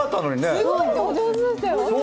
すごいお上手でしたよ。